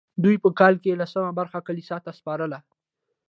دوی په کال کې لسمه برخه کلیسا ته سپارله.